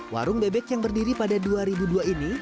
warung bebek yang berdiri pada dua ribu dua ini